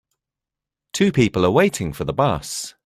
Two people are waiting for the bus